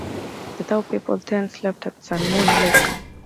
The Thau people then slept at Sun Moon Lake.